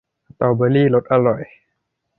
สตรอเบอร์รี่รสอร่อย !